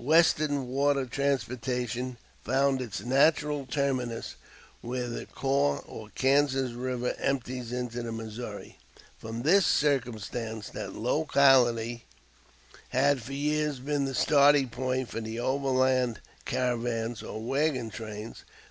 Western water transportation found its natural terminus where the Kaw or Kansas River empties into the Missouri. From this circumstance that locality had for years been the starting point for the overland caravans or wagon trains.